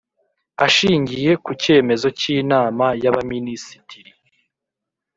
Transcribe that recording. Ashingiye ku cyemezo cy Inama y Abaminisitiri